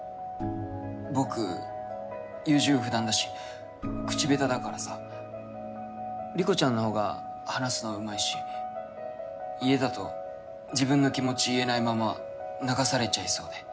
僕優柔不断だし口下手だからさ莉子ちゃんのほうが話すのうまいし家だと自分の気持ち言えないまま流されちゃいそうで。